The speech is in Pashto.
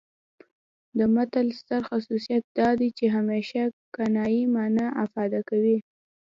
د متل ستر خصوصیت دا دی چې همیشه کنايي مانا افاده کوي